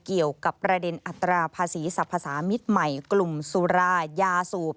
เกี่ยวกับประเด็นอัตราภาษีสรรพสามิตรใหม่กลุ่มสุรายาสูบ